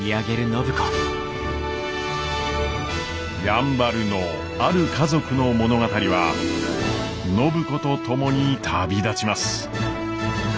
やんばるのある家族の物語は暢子と共に旅立ちます。